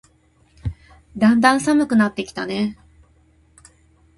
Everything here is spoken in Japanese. だんだん寒くなってきたね。